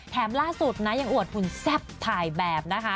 ล่าสุดนะยังอวดหุ่นแซ่บถ่ายแบบนะคะ